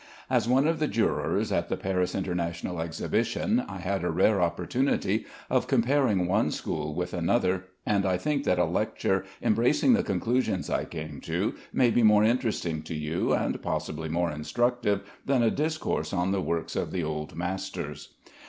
As one of the jurors at the Paris International Exhibition, I had a rare opportunity of comparing one school with another, and I think that a lecture embracing the conclusions I came to, may be more interesting to you, and possibly more instructive, than a discourse on the works of the old masters.